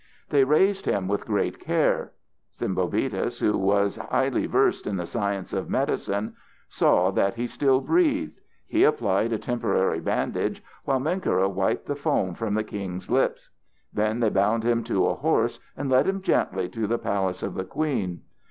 They raised him with great care. Sembobitis, who was highly versed in the science of medicine, saw that he still breathed. He applied a temporary bandage while Menkera wiped the foam from the king's lips. Then they bound him to a horse and led him gently to the palace of the queen.